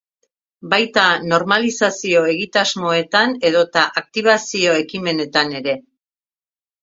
Baita normalizazio-egitasmoetan edota aktibazio-ekimenetan ere.